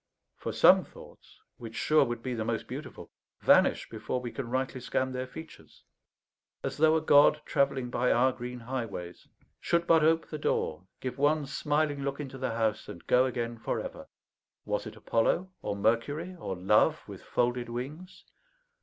For some thoughts, which sure would be the most beautiful, vanish before we can rightly scan their features; as though a god, travelling by our green highways, should but ope the door, give one smiling look into the house, and go again for ever. Was it Apollo, or Mercury, or Love with folded wings?